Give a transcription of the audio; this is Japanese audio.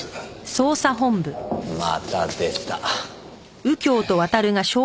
また出た。